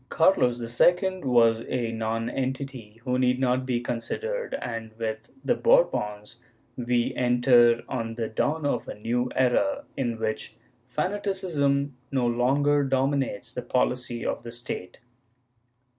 ^ Carlos II was a nonentity who need not be considered and, with the Bourbons, we enter on the dawn of a new era, in which fanaticism no longer dominates the poHcy of the State.